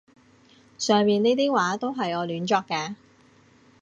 上面呢啲話都係我亂作嘅